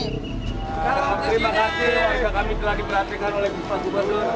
terima kasih kami telah diperhatikan oleh bupati gubernur